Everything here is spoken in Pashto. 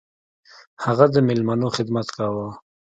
هغه د میلمنو خدمت کاوه.